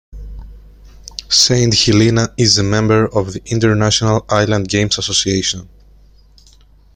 Saint Helena is a member of the International Island Games Association.